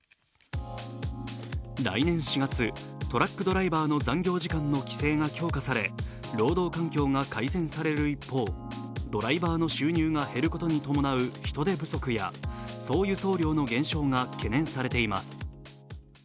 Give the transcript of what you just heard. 来年４月、トラックドライバーの残業時間の規制が強化され、労働環境が改善される一方、ドライバーの収入が減ることに伴う人手不足や総輸送量の減少が懸念されています。